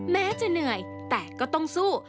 แม้จะเหนื่อยแต่ก็ต้องสู้